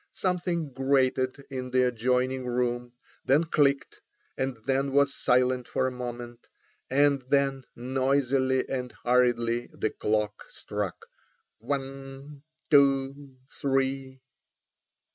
Something grated in the adjoining room, then clicked, and then was silent for a moment, and then noisily and hurriedly the clock struck "One, two, three."